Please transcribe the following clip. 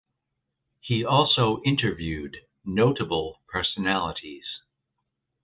He also interviewed notable personalities.